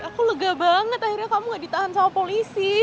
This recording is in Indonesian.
aku lega banget akhirnya kamu gak ditahan sama polisi